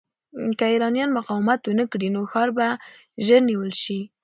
که ایرانیان مقاومت ونه کړي، نو ښار به ژر نیول شي.